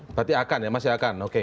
berarti akan ya masih akan oke